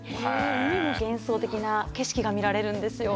海も幻想的な景色が見られるんですよ。